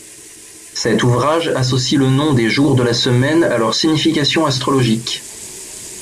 Cet ouvrage associe le nom des jours de la semaine à leur signification astrologique.